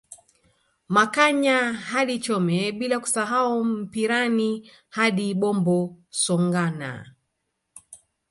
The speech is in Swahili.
Makanya hadi Chome bila kusahau Mpirani hadi Bombo Songana